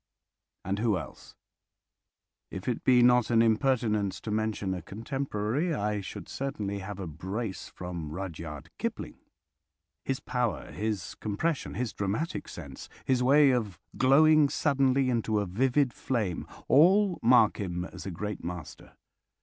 And who else? If it be not an impertinence to mention a contemporary, I should certainly have a brace from Rudyard Kipling. His power, his compression, his dramatic sense, his way of glowing suddenly into a vivid flame, all mark him as a great master.